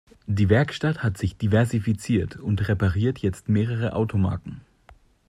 Die Werkstatt hat sich diversifiziert und repariert jetzt mehrere Automarken.